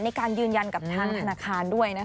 ในการยืนยันกับทางธนาคารด้วย